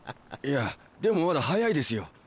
いやでもまだ早いですよ。